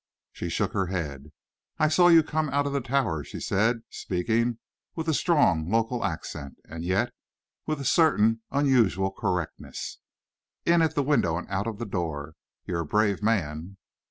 She shook her head. "I saw you come out of the Tower," she said, speaking with a strong local accent and yet with a certain unusual correctness, "in at the window and out of the door. You're a brave man."